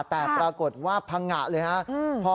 แต่ปรากฏว่าพังงะเลยครับ